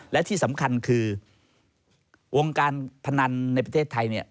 และที่สำคัญคือวงการพนันในประเทศไทยเนี่ย